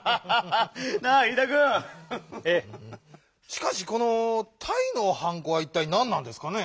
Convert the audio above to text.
しかしこのタイのはんこはいったいなんなんですかね？